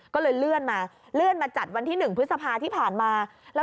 ก็เลยเลื่อนมาเลื่อนมาจัดวันที่๑พฤษภาที่ผ่านมา